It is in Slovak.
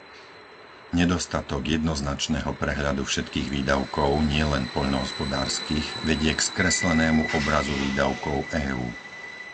Nedostatok jednoznačného prehľadu všetkých výdavkov, nielen poľnohospodárskych, vedie k skreslenému obrazu výdavkov EÚ.